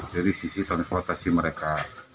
jadi sisi konsultasi mereka